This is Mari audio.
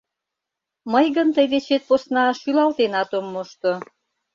Мый гын тый дечет посна шӱлалтенат ом мошто...